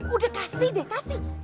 udah kasih deh kasih